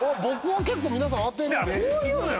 僕は結構皆さん当てる。